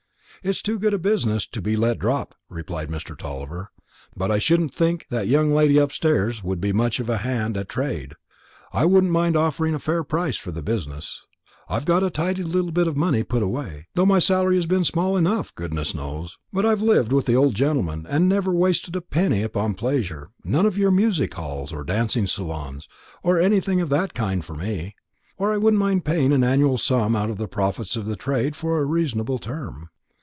"It's too good a business to be let drop," replied Mr. Tulliver; "but I shouldn't think that young lady upstairs would be much of a hand at trade. I wouldn't mind offering a fair price for the business, I've got a tidy little bit of money put away, though my salary has been small enough, goodness knows; but I've lived with the old gentleman, and never wasted a penny upon pleasure; none of your music halls, or dancing saloons, or anything of that kind, for me, or I wouldn't mind paying an annual sum out of the profits of the trade for a reasonable term.